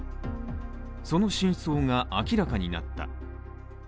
その真相が明らかになった。